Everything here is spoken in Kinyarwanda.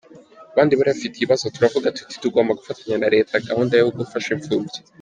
abandi bari bafite ibibazo, turavuga tuti tugomba gufatanya na Leta gahunda yo gufasha impfubyi.